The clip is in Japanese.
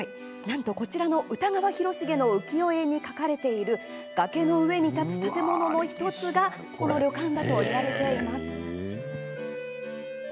なんと、こちらの歌川広重の浮世絵に描かれている崖の上に建つ建物の１つがこの旅館だといわれています。